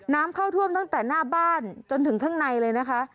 น้ำเข้าท่วมตั้งแต่หน้าบ้านจนถึงข้างในเลยนะคะ